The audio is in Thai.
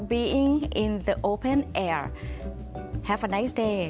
และอย่าเป็นในภูมิที่เปลี่ยน